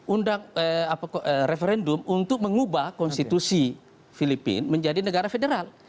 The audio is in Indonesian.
undang referendum untuk mengubah konstitusi filipina menjadi negara federal